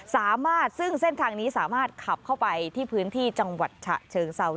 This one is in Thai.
สามารถซึ่งเส้นทางนี้สามารถขับเข้าไปที่พื้นที่จังหวัดฉะเชิงเซา